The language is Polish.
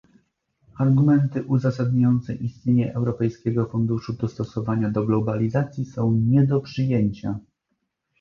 Argumenty uzasadniające istnienie Europejskiego Funduszu Dostosowania do Globalizacji są nie do przyjęcia